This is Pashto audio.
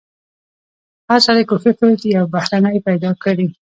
هر سړی کوښښ کوي یو بهرنی پیدا کړي.